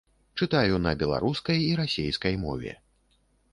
Чытаю на беларускай і расейскай мове.